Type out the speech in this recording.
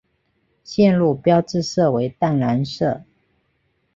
线路标志色为淡蓝色。